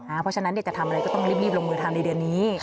เพราะฉะนั้นจะทำอะไรก็ต้องรีบลงมือทำในเดือนนี้